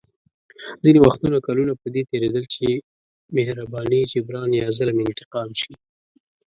ځینې وختونه کلونه په دې تېرېدل چې مهرباني جبران یا ظلم انتقام شي.